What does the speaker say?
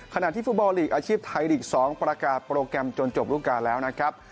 ที่ฟุตบอลลีกอาชีพไทยลีก๒ประกาศโปรแกรมจนจบรูปการณ์แล้วนะครับ